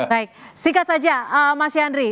baik singkat saja mas yandri